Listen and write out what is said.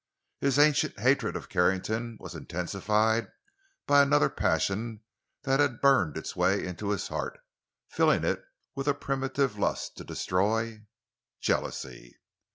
His ancient hatred of Carrington was intensified by another passion that had burned its way into his heart, filling it with a primitive lust to destroy—jealousy.